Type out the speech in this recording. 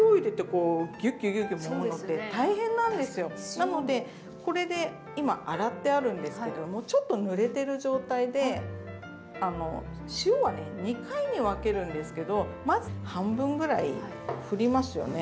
なのでこれで今洗ってあるんですけどもちょっとぬれてる状態で塩はね２回に分けるんですけどまず半分ぐらいふりますよね。